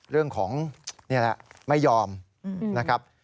เรื่องของนี่แหละไม่ยอมนะครับ